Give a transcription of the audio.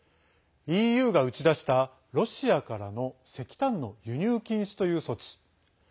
ＥＵが打ち出したロシアからの石炭の輸入禁止という措置。